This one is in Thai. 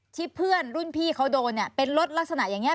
เพื่อนรุ่นพี่เขาโดนเนี่ยเป็นรถลักษณะอย่างนี้